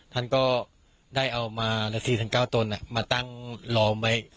ท่านก็ได้เอามาศรีทั้งเก้าตนมาตั้งหลวงไว้ห่วนต้นไม้ไว้